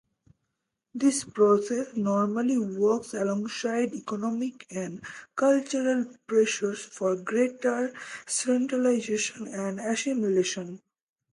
This process normally works alongside economic and cultural pressures for greater centralisation and assimilation.